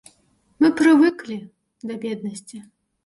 Мы прывыклі да беднасці.